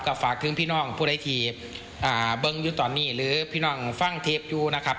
ฝากถึงพี่น้องผู้ได้ทีเบิ้งยูตอนนี้หรือพี่น้องฟังเทปอยู่นะครับ